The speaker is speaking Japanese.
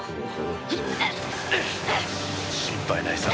心配ないさ。